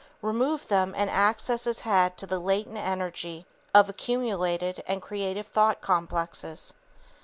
Remove them and access is had to the latent energy of accumulated and creative thought complexes.